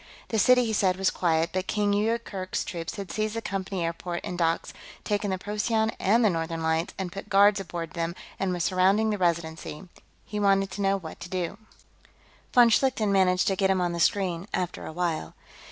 The city, he said, was quiet, but King Yoorkerk's troops had seized the Company airport and docks, taken the Procyon and the Northern Lights and put guards aboard them, and were surrounding the Residency. He wanted to know what to do. Von Schlichten managed to get him on the screen, after a while.